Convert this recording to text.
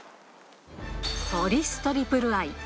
ポリストリプルアイ。